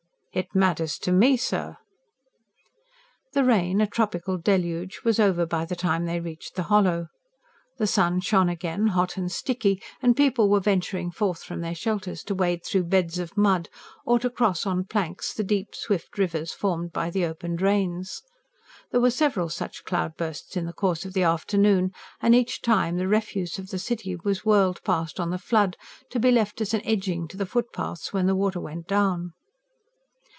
"It matters to me, sir!" The rain, a tropical deluge, was over by the time they reached the hollow. The sun shone again, hot and sticky, and people were venturing forth from their shelters to wade through beds of mud, or to cross, on planks, the deep, swift rivers formed by the open drains. There were several such cloud bursts in the course of the afternoon; and each time the refuse of the city was whirled past on the flood, to be left as an edging to the footpaths when the water went down.